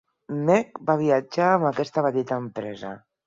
Meek va viatjar amb aquesta petita empresa.